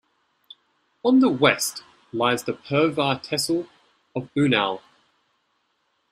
On the west lies the Purwa tehsil of Unnao.